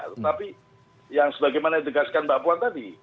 tetapi yang sebagaimana yang dikatakan mbak puan tadi